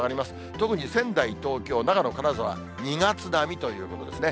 特に仙台、東京、長野、金沢、２月並みということですね。